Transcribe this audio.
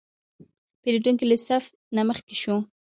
پیرودونکی له صف نه مخکې شو.